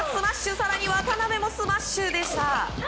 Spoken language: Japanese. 更に渡辺もスマッシュでした。